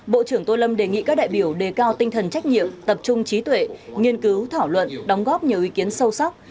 bộ trưởng tô lâm đề nghị các đại biểu đề cao tinh thần trách nhiệm tập trung trí tuệ nghiên cứu thảo luận đóng góp nhiều ý kiến sâu sắc